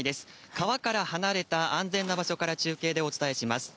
川から離れた安全な場所から、中継でお伝えします。